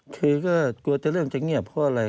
คือก็กลัวจะเรื่องจะเงียบเพราะอะไร